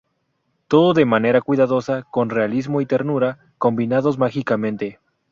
Todo de manera cuidadosa, con realismo y ternura, combinados mágicamente.